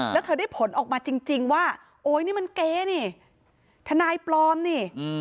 แล้วเธอได้ผลออกมาจริงว่าโอ๊ยนี่มันเกนี่ทนายปลอมนี่